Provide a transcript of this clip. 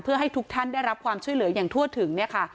เพื่อให้ทุกท่านได้รับความช่วยเหลืออย่างทั่วถึงเนี่ยค่ะ